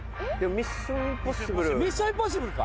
『ミッション：インポッシブル』か！